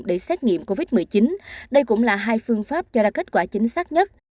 để xét nghiệm covid một mươi chín đây cũng là hai phương pháp cho ra kết quả chính xác nhất